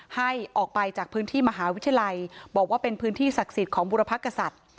ให้ออกไปจากพื้นที่มหาวิทยาลัยบอกว่าเป็นพื้นที่ศักดิ์สิทธิ์ของบุรพกษัตริย์